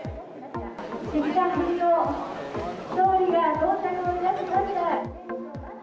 岸田総理が到着いたしました。